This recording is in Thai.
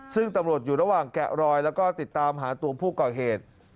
ซึ่งตำรวจอยู่ระหว่างแกะรอยแล้วก็ติดตามหาตัวผู้ก่อเหตุ